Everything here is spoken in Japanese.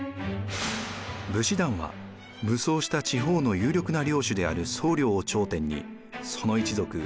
武士団は武装した地方の有力な領主である惣領を頂点にその一族